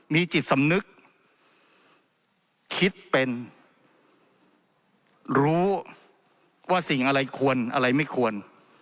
มีจิตสำนึกคิดเป็นรู้ว่าสิ่งอะไรควรอะไรไม่ควร